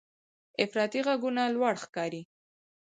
افراطي غږونه لوړ ښکاري.